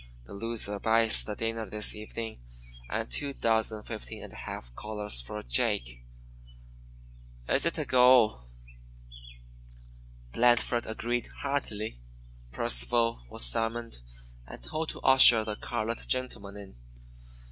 The loser buys the dinner this evening and two dozen 15½ collars for Jake. Is it a go?" Blandford agreed heartily. Percival was summoned, and told to usher the "colored gentleman" in.